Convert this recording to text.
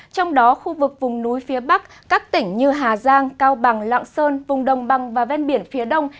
trong đó khu vực vùng núi phía bắc các tỉnh như hà giang cao bằng lạng sơn vùng đồng bằng và ven biển phía đông